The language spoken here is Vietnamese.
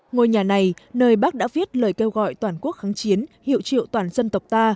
ngôi nhà này nơi bác đã viết lời kêu gọi toàn quốc kháng chiến hiệu triệu toàn dân tộc ta